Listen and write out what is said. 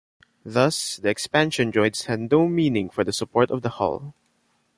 Thus, the expansion joints had no meaning for the support of the hull.